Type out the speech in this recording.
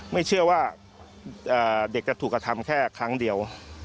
ไม่เชื่อว่าเด็กจะถูกกระทำแค่ครั้งเดียว